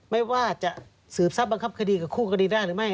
ไม่ว่าจะสืบทรัพยบังคับคดีกับคู่คดีได้หรือไม่